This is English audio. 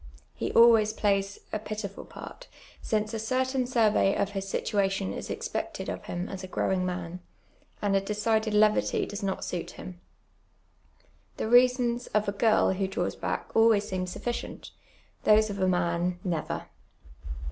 lie always plays a pkiful part, since a certain survey of his situation is expected of him as a ^rowin^ man, and a decided levity does not suit him. The rea.sons of a girl who (haws back always seem sufficient, those of a man —never.